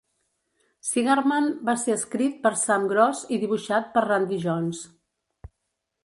Cigarman va ser escrit per Sam Gross i dibuixat per Randy Jones.